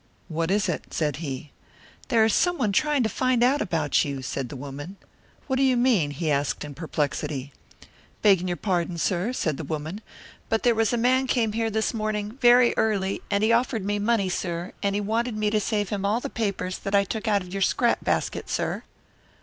"What is it?" said he. "There is someone trying to find out about you," said the woman. "What do you mean?" he asked, in perplexity. "Begging your pardon, sir," said the woman, "but there was a man came here this morning, very early, and he offered me money, sir, and he wanted me to save him all the papers that I took out of your scrap basket, sir."